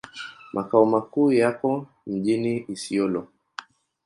Makao makuu yako mjini Isiolo.